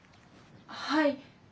・はい。